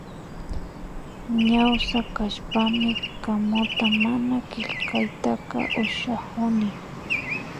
Ñawsa kashpami kamuta mana killkakatita ushakuni